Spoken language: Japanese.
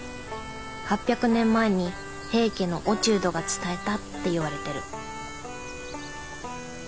８００年前に平家の落人が伝えたっていわれてる。